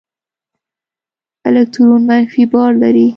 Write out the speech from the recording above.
الکترون منفي بار لري.